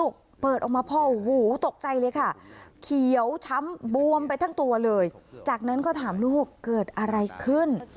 เขียวช้ำบวมไปทั้งตัวเลยจากนั้นก็ถามลูกเกิดอะไรขึ้น